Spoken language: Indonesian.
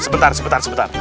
sebentar sebentar sebentar